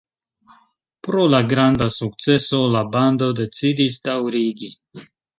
Pro la granda sukceso la bando decidis daŭrigi.